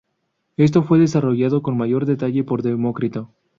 Esto fue desarrollado con mayor detalle por Demócrito.